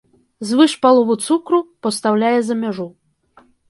Звыш паловы цукру пастаўляе за мяжу.